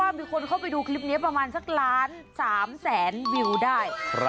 มีคนเข้าไปดูคลิปเนี่ยประมาณ๑๓๐๐๐๐๐วิวได้